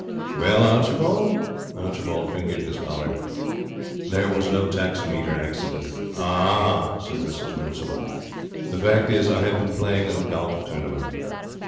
'Well, Archibald?' Archibald fingered his collar. 'There was no taximeter accident.' 'Ah!' said Mrs Milsom. 'The fact is, I have been playing in a golf tournament.'